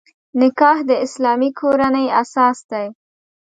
نکاح د اسلامي کورنۍ اساس دی.